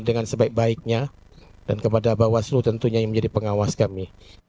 dan sebaik baiknya dan kepada bapak bapak seluruh tentunya yang menjadi pengawas kami